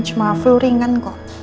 cuma flu ringan kok